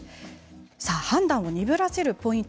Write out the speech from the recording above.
判断を鈍らせるポイント